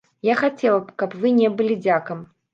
Я хацела б, каб вы не былі дзякам.